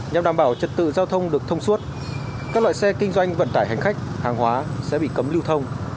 nhằm đảm bảo trật tự giao thông được thông suốt các loại xe kinh doanh vận tải hành khách hàng hóa sẽ bị cấm lưu thông